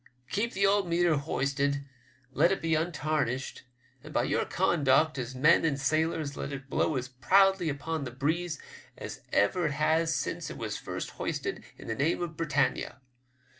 Keep the old meteor hoisted, let it be untarnished, and by your conduct as men and sailors let it blow as proudly upon the breeze as ever it has since it was first hoisted in the name of Britannia.